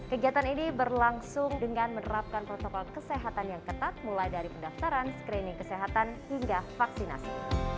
kegiatan ini berlangsung dengan menerapkan protokol kesehatan yang ketat mulai dari pendaftaran screening kesehatan hingga vaksinasi